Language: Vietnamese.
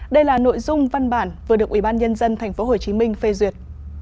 đây là nội dung văn bản vừa được ủy ban nhân dân tp hcm phê duyệt